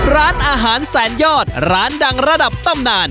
ร้านอาหารแสนยอดร้านดังระดับตำนาน